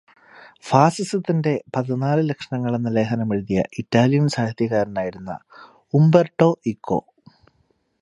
ഫാസിസത്തിന്റെ പതിനാല് ലക്ഷണങ്ങൾ എന്ന ലേഖനമെഴുതിയ ഇറ്റാലിയൻ സാഹിത്യകാരനായിരുന്ന ഉംബെർടോ ഇക്കോ